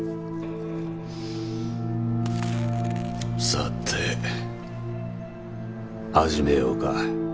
さて始めようか。